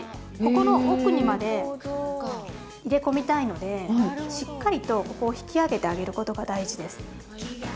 ここの奥にまで入れ込みたいのでしっかりと、ここを引き上げてあげることが大事です。